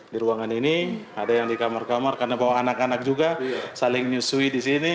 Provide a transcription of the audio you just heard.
di ruangan ini ada yang di kamar kamar karena bawa anak anak juga saling nyusui di sini